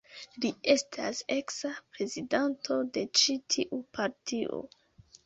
Li estas eksa prezidanto de ĉi tiu partio.